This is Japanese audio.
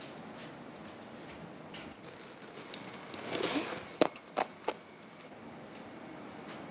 えっ？